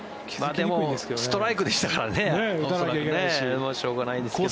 でもストライクでしたからしょうがないんですけど。